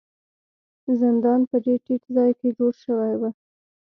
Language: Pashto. زندان په ډیر ټیټ ځای کې جوړ شوی و.